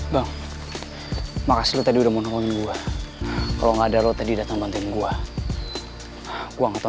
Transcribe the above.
bang makasih udah menolong gua kalau enggak ada lo tadi datang konten gua gua nggak tahu